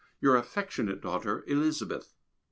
Your affectionate daughter, Elizabeth.